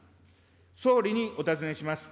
総理にお尋ねします。